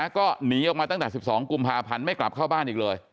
ก็หนีออกมาตั้งแต่๑๒กุมภาพันธ์ไม่กลับเข้าบ้านอีกเลย